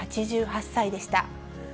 ８８歳でした。